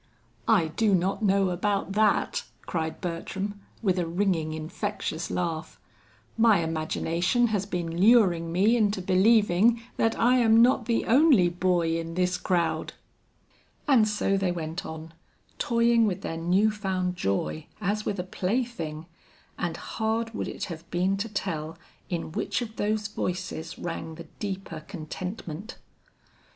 "I do not know about that," cried Bertram, with a ringing infectious laugh, "my imagination has been luring me into believing that I am not the only boy in this crowd." And so they went on, toying with their new found joy as with a plaything, and hard would it have been to tell in which of those voices rang the deeper contentment.